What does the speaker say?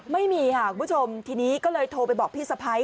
ไม่มีค่ะคุณผู้ชมทีนี้ก็เลยโทรไปบอกพี่สะพ้าย